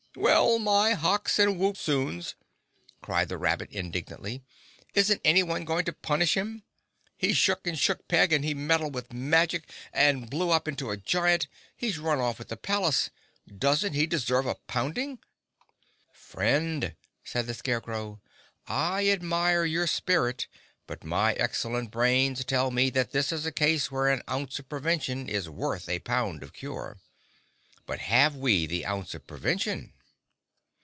"Well, my hocks and woop soons!" cried the rabbit indignantly. "Isn't anyone going to punish him? He shook and shook Peg and he meddled with magic and blew up into a giant. He's run off with the palace. Doesn't he deserve a pounding?" "Friend," said the Scarecrow, "I admire your spirit but my excellent brains tell me that this is a case where an ounce of prevention is worth a pound of cure. But have we the ounce of prevention?"